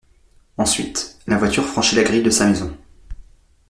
Ensuite, la voiture franchit la grille de sa maison.